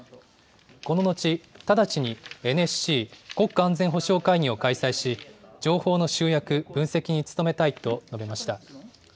この後、直ちにＮＳＣ・国家安全保障会議を開催し情報の集約、分析に努めたいと述べました。